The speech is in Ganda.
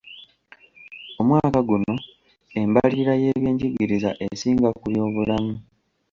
Omwaka guno, embalirira y'ebyenjigiriza esinga ku y'ebyobulamu.